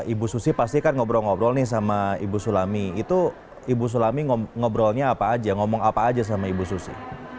ibu susi pasti kan ngobrol ngobrol nih sama ibu sulami itu ibu sulami ngobrolnya apa aja ngomong apa aja sama ibu susi